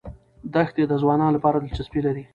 دښتې د ځوانانو لپاره دلچسپي لري.